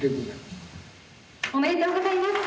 おめでとうございます。